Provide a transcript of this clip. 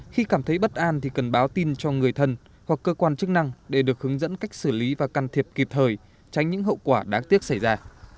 khi cảm thấy bất an thì cần báo tin cho người thân hoặc cơ quan chức năng để được hướng dẫn cách xử lý và can thiệp kịp thời tránh những hậu quả đáng tiếc xảy ra